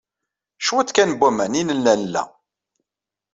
Cwiṭ kan n waman ay nella nla.